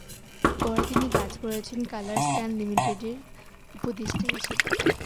পরে তিনি কাজ করেছেন কালার স্ক্যান লিমিটেডের উপদেষ্টা হিসেবে।